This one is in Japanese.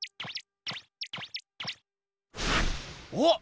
おっ！